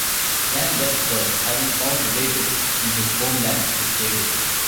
Jan left first, having found relatives in his homeland to stay with.